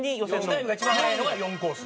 タイムが一番速いのが４コース。